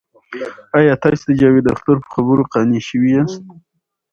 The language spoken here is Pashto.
آیا تاسې د جاوید اختر په خبرو قانع شوي یاست؟